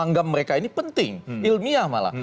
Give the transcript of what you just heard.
anggap mereka ini penting ilmiah malah